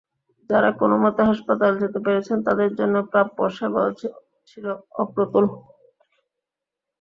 যাঁরা কোনোমতো হাসপাতালে যেতে পেরেছেন, তাঁদের জন্যও প্রাপ্য সেবাও ছিল অপ্রতুল।